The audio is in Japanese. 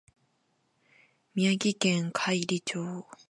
宮城県亘理町